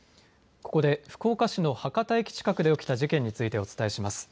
ここで福岡市の博多駅近くで起きた事件についてお伝えします。